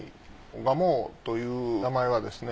蒲生という名前はですね